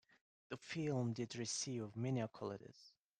The film did receive many accolades.